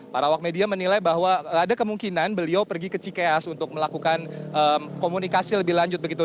para awak media menilai bahwa ada kemungkinan beliau pergi ke cikeas untuk melakukan komunikasi lebih lanjut begitu